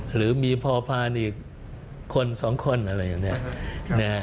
หรือมีพอพานอีกคนสองคนอะไรอย่างนี้